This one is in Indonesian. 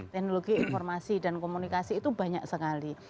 teknologi informasi dan komunikasi itu banyak sekali